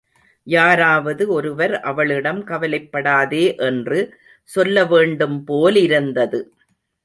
யாராவது ஒருவர் அவளிடம் கவலைப்படாதே என்று சொல்ல வேண்டும் போலிருந்தது.